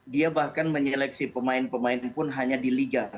dia bahkan menyeleksi pemain pemain pun hanya di liga